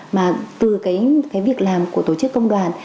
mà từ cái việc làm của tổ chức công đoàn